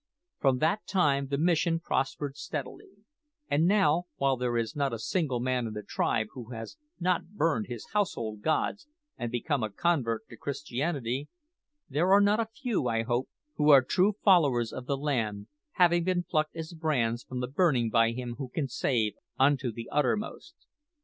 From that time the mission prospered steadily; and now, while there is not a single man in the tribe who has not burned his household gods and become a convert to Christianity, there are not a few, I hope, who are true followers of the Lamb, having been plucked as brands from the burning by Him who can save unto the uttermost.